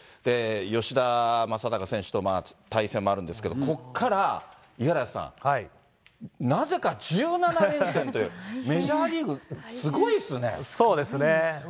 吉田正尚選手と対戦もあるんですけど、ここから五十嵐さん、なぜか１７連戦というメジャーリーグ、そうですね。